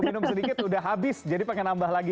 minum sedikit udah habis jadi pengen nambah lagi